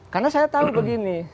karena saya tahu begini